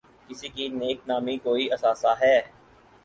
کسی کی نیک نامی کوئی اثاثہ ہے۔